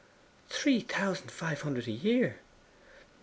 'Three thousand five hundred a year!